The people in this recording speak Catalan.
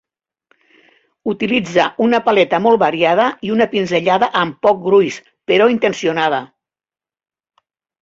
Utilitza una paleta molt variada i una pinzellada amb poc gruix però intencionada.